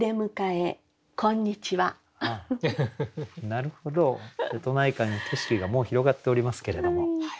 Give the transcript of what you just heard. なるほど瀬戸内海の景色がもう広がっておりますけれども。